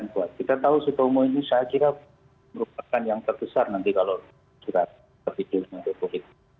kita tahu sutomo ini saya kira merupakan yang terbesar nanti kalau kita tidur untuk covid